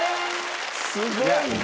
すごいな！